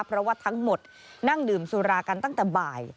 เพราะว่าทั้งหมดนั่งดื่มสุรากันตั้งแต่บ่าย